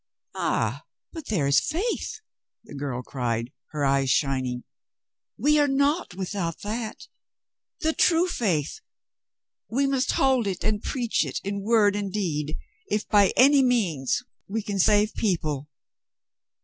"Ah, but there is faith," the girl cried, her eyes shining. "We are naught without that. The true faith — we must hold it and preach it in word and deed, if by any means we can save people."